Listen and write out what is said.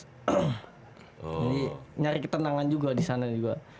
jadi nyari ketenangan juga di sana juga